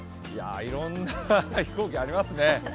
いろんな飛行機ありますね。